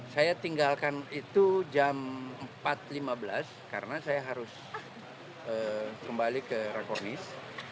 saya tinggalkan itu jam empat lima belas karena saya harus kembali ke rekornis